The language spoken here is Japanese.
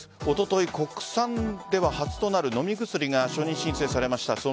おととい、国産では初となる飲み薬が承認申請されました。